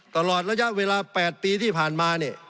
ตลอดระยะเวลา๘ปีที่ผ่านมา